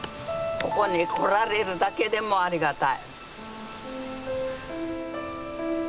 ここに来られるだけでもありがたい。